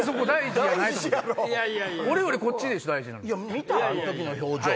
俺よりこっちでしょ大事なの。